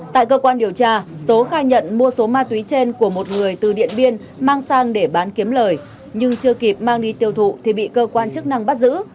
tại cơ quan điều tra số khai nhận mua số ma túy trên của một người từ điện biên mang sang để bán kiếm lời nhưng chưa kịp mang đi tiêu thụ thì bị cơ quan chức năng bắt giữ